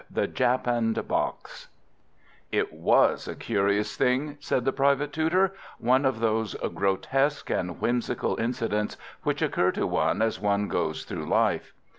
THE JAPANNED BOX It was a curious thing, said the private tutor; one of those grotesque and whimsical incidents which occur to one as one goes through life.